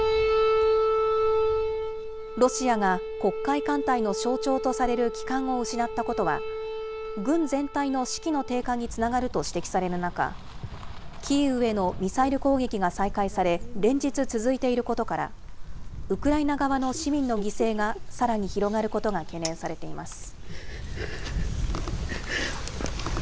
ロシアが黒海艦隊の象徴とされる旗艦を失ったことは、軍全体の士気の低下につながると指摘される中、キーウへのミサイル攻撃が再開され、連日続いていることから、ウクライナ側の市民の犠牲がさらに広がることが懸念されています。